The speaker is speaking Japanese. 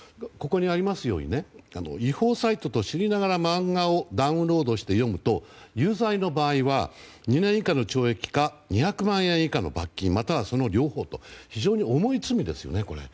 ここにありますように違法サイトと知りながら漫画をダウンロードして読むと有罪の場合は２年以下の懲役か２００万円以下の罰金または、その両方とこれは非常に重い罪ですよね。